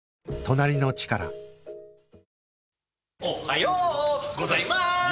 おはようございまーす！